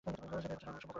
এ বছর অসম্ভব গরম পড়েছে।